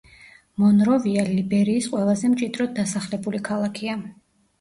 მონროვია ლიბერიის ყველაზე მჭიდროდ დასახლებული ქალაქია.